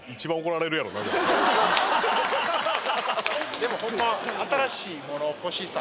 でもホンマ。